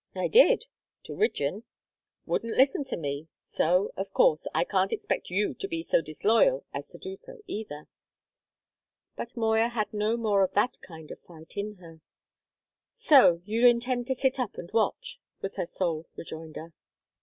"I did to Rigden. Wouldn't listen to me; so, of course, I can't expect you to be so disloyal as to do so either." But Moya had no more of that kind of fight in her. "So you intend to sit up and watch?" was her sole rejoinder.